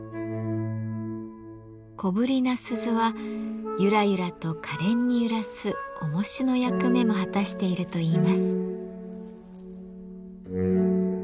小ぶりな鈴はゆらゆらとかれんに揺らすおもしの役目も果たしているといいます。